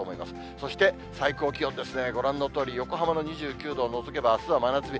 そして最高気温ですね、ご覧のとおり、横浜の２９度を除けばあすは真夏日。